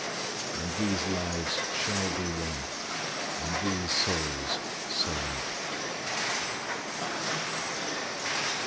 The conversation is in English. And these lives shall be won, and these souls saved.